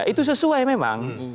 itu sesuai memang